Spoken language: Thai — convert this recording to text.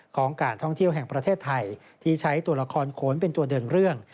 ของการท่องเที่ยวแห่งประเทศไทยที่ใช้ตัวละครโขนเป็นตัวเดินเรื่อง